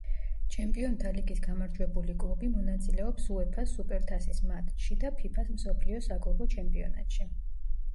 ჩემპიონთა ლიგის გამარჯვებული კლუბი მონაწილეობს უეფა-ს სუპერთასის მატჩში და ფიფა-ს მსოფლიო საკლუბო ჩემპიონატში.